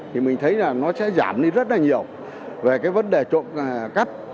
thì mình thấy là nó sẽ giảm đi rất là nhiều về vấn đề trụ cấp